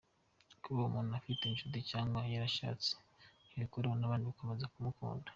Kuba umuntu afite inshuti cyangwa yarashatse ntibikuraho n’abandi bakomeza kumukunda.